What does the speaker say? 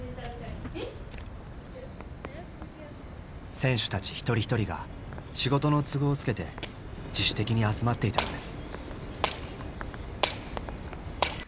選手たち一人一人が仕事の都合をつけて自主的に集まっていたのです。